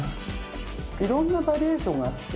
いろんなバリエーションがあって。